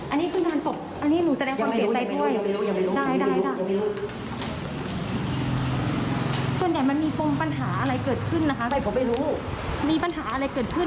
อันนี้คืองานศพอันนี้หนูแสดงความเสียใจด้วย